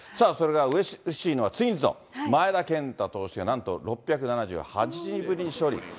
うれしいのは、ツインズの前田健太選手がなんと６７８日ぶりに勝利。